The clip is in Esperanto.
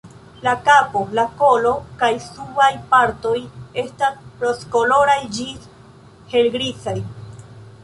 La kapo, la kolo kaj subaj partoj estas rozkoloraj ĝis helgrizaj.